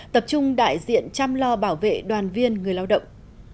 tập trung đại diện chăm lo bảo vệ đoàn viên người lao động